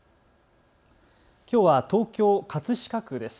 きょうは東京葛飾区です。